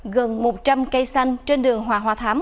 gần một trăm linh cây xanh trên đường hòa hòa thám